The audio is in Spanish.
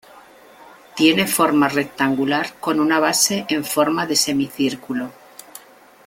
Tiene forma rectangular con una base en forma de semicírculo.